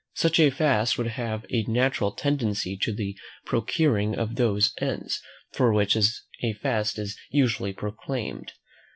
Such a fast would have a natural tendency to the procuring of those ends, for which a fast is usually proclaimed.